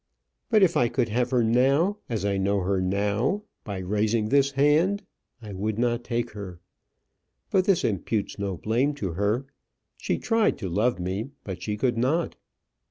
But if I could have her now as I know her now by raising this hand, I would not take her. But this imputes no blame to her. She tried to love me, but she could not."